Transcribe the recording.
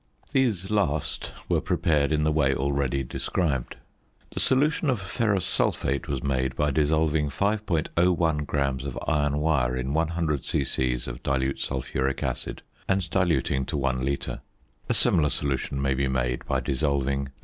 These last were prepared in the way already described. The solution of ferrous sulphate was made by dissolving 5.01 grams of iron wire in 100 c.c. of dilute sulphuric acid and diluting to 1 litre. A similar solution may be made by dissolving 24.